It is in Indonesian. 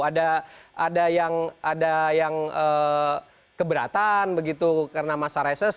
ada yang keberatan begitu karena masa reses